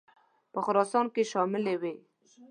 په خراسان کې شاملي وې.